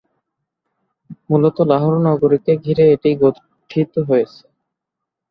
মূলত লাহোর নগরীকে ঘিরে এটি গঠিত হয়েছে।